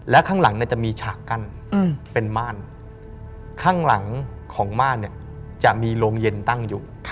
และข้างหลังจะมีฉากกั้นเป็นม่านข้างหลังของม่านเนี่ยจะมีโรงเย็นตั้งอยู่